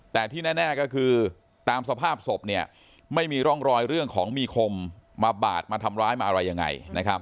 แต่ที่แน่ก็คือตามสภาพศพไม่มีร่องรอยเรื่องของมีคมมาบาดมาทำร้ายมาอะไรยังไง